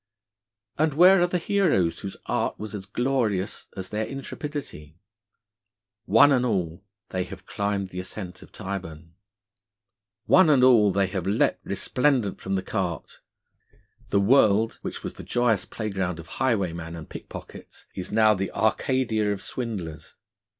And where are the heroes whose art was as glorious as their intrepidity? One and all they have climbed the ascent of Tyburn. One and all, they have leaped resplendent from the cart. The world, which was the joyous playground of highwaymen and pickpockets, is now the Arcadia of swindlers.